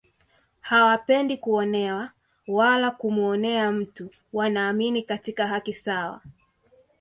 Hawapendi kuonewa wala kumuonea mtu wanaamini katika haki sawa